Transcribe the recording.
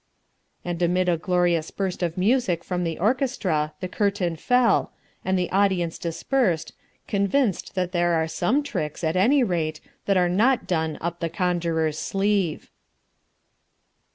And amid a glorious burst of music from the orchestra the curtain fell, and the audience dispersed, convinced that there are some tricks, at any rate, that are not done up the conjurer's sleeve.